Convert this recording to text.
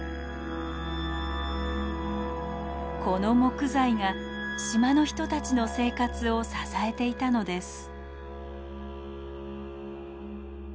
この木材が島の人たちの生活を支えていたのです。